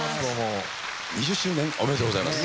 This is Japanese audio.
２０周年おめでとうございます。